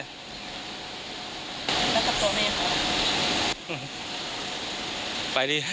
แล้วกับตัวเนี่ยเขา